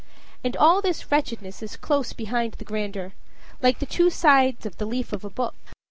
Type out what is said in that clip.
And all this wretchedness is close behind the grandeur like the two sides of the leaf of a book.